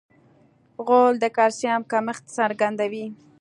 غول د کلسیم کمښت څرګندوي.